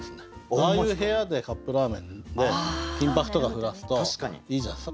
ああいう部屋でカップラーメンで金箔とか降らすといいじゃないですか。